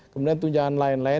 kemudian tunjangan lain lain